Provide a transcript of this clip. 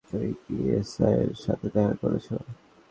তুমি কী এসআই এর সাথে দেখা করেছ?